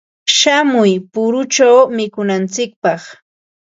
Shamuy puruchaw mikunantsikpaq.